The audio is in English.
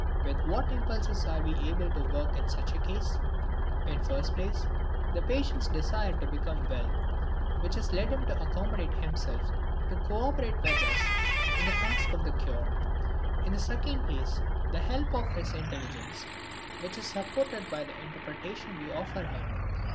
With what impulses are we able to work in such a case? In the first place, the patient's desire to become well, which has led him to accommodate himself to co operate with us in the task of the cure; in the second place, the help of his intelligence, which is supported by the interpretation we offer him.